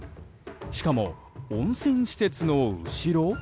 しかも温泉施設の後ろ？